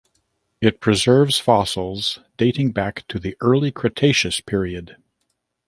It preserves fossils dating back to the early Cretaceous period.